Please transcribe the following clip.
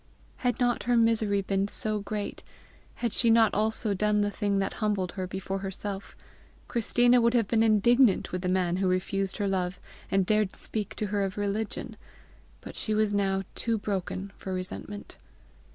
Had not her misery been so great, had she not also done the thing that humbled her before herself, Christina would have been indignant with the man who refused her love and dared speak to her of religion; but she was now too broken for resentment.